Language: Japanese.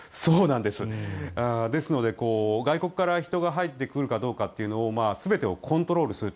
ですので、外国から人が入ってくるかどうかというのを政府がコントロールすると。